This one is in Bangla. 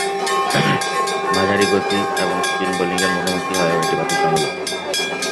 মাঝারি গতি এবং স্পিন বোলিংয়ের মুখোমুখি হয়েও এটি বাধ্যতামূলক।